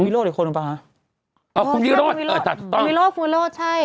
วีโรดหรือคนหรือเปล่าฮะอ๋อคุณวีโรดคุณวีโรดคุณวีโรดใช่